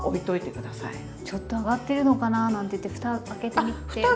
ちょっと上がってるのかななんて言ってふた開けて見ても？